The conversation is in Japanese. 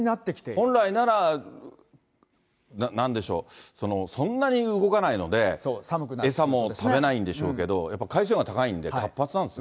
本来なら、何でしょう、そんなに動かないので餌も食べないんでしょうけど、やっぱり海水温が高いんで活発なんですね。